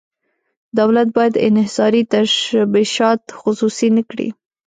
دولت باید انحصاري تشبثات خصوصي نه کړي.